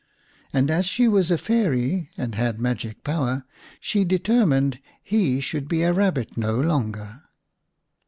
And as she was a Fairy and had magic power, she determined he should be a Kabbit no longer.